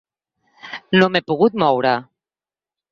No m’he pogut moure.